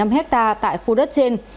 năm năm hectare tại khu đất trên